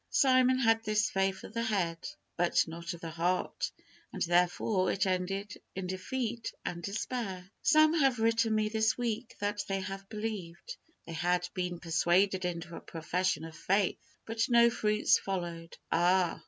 Simon had this faith of the head, but not of the heart, and, therefore, it ended in defeat and despair. Some have written me this week that they had believed. They had been persuaded into a profession of faith, but no fruits followed. Ah!